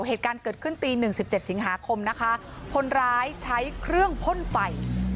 เหตุการณ์เกิดขึ้นตีหนึ่งสิบเจ็ดสิงหาคมนะคะคนร้ายใช้เครื่องพ่นไฟ